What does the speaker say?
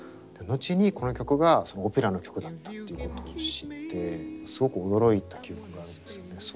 後にこの曲がオペラの曲だったっていうことを知ってすごく驚いた記憶があるんですよね。